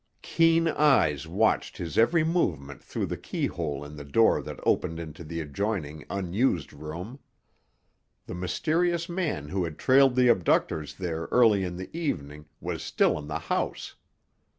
Keen eyes watched his every movement through the keyhole in the door that opened into the adjoining, unused room. The mysterious man who had trailed the abductors there early in the evening was still in the house.